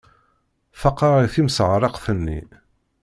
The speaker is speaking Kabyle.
Faqeɣ i timseεreqt-nni.